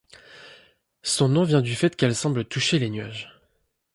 Son nom vient du fait qu'elle semble toucher les nuages.